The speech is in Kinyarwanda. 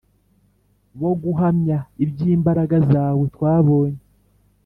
Bo guhamya ibyimbaraga zawe twabonye